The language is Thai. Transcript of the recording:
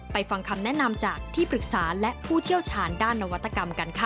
ฟังคำแนะนำจากที่ปรึกษาและผู้เชี่ยวชาญด้านนวัตกรรมกันค่ะ